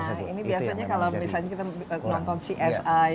nah ini biasanya kalau misalnya kita nonton csi